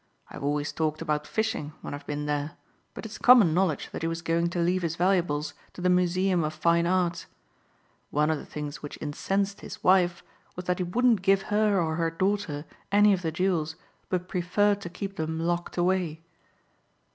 I've always talked about fishing when I've been there, but it's common knowledge that he was going to leave his valuables to the Museum of Fine Arts. One of the things which incensed his wife was that he wouldn't give her or her daughter any of the jewels but preferred to keep them locked away."